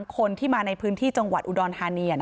คนที่มาในพื้นที่จังหวัดอุดรธานี